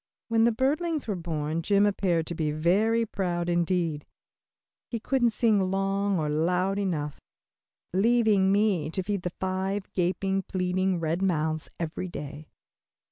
When the birdlings were born Jim appeared to be very proud indeed. He couldn't sing long or loud enough, leaving me to feed the five gaping, pleading red mouths every day.